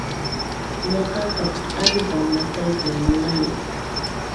Nuqaqa t'anta masaytan munani